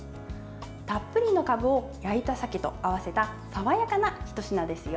たっぷりのかぶを焼いた鮭と合わせた爽やかなひと品ですよ。